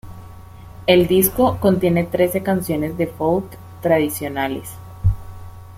El disco contiene trece canciones de "folk" tradicionales.